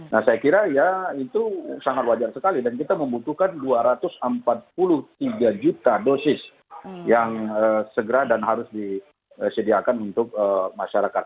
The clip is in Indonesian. nah saya kira ya itu sangat wajar sekali dan kita membutuhkan dua ratus empat puluh tiga juta dosis yang segera dan harus disediakan untuk masyarakat